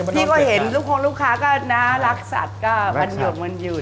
พี่ก็เห็นลูกคงลูกค้าก็น่ารักสัตว์ก็มันหยกมันหยุด